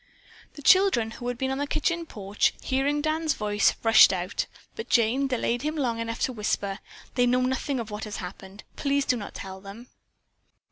The children, who had been on the kitchen porch, hearing Dan's voice, rushed out, but Jane delayed him long enough to whisper: "They know nothing of what has happened. Please do not tell them."